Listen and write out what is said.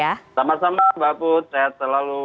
sama sama mbak put sehat selalu